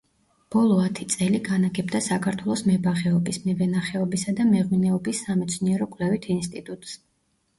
ბოლო ათი წელი განაგებდა საქართველოს მებაღეობის, მევენახეობისა და მეღვინეობის სამეცნიერო-კვლევით ინსტიტუტს.